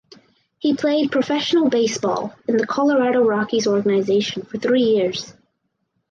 He played professional baseball in the Colorado Rockies organization for three years.